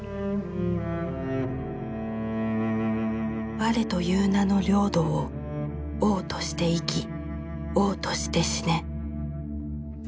「われという名の領土を王として生き王として死ね」。